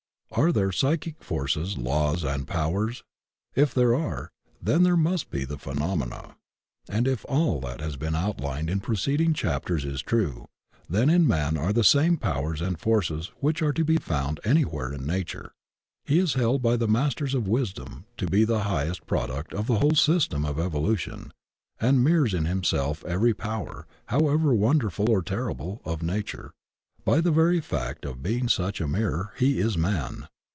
Are there psychic forces, laws, and powers? If there are, then there must be the phenomena. And if aU that has been outlined in preceding chapters is true, then in man are the same powers and forces which are to be found anywhere in Nature. He is held by the Masters of Wisdom to be the highest product of the whole system of evolution, and mir rors in himself every power, however wonderful or terrible, of Nature; by the very fact of being such a mirror he is man.